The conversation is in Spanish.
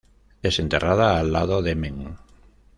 Es enterrada al lado de Mem.